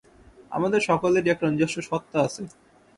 আমাদের সকলেরই একটা নিজস্ব সত্তা আছে।